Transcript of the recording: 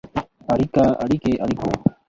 اړیکه ، اړیکې، اړیکو.